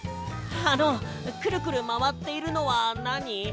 あのクルクルまわっているのはなに？